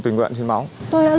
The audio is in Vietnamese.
cán bộ đoàn viên đồng tri đoàn